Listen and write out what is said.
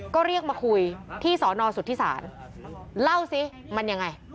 ก็เรียกมาคุยที่สอนอสุทธิศาลเล่าสิมันยังไง